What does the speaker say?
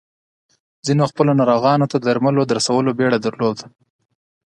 ځينو خپلو ناروغانو ته د درملو د رسولو بيړه درلوده.